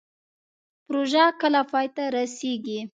پروژه کله پای ته رسیږي؟